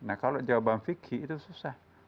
nah kalau jawaban vicky itu susah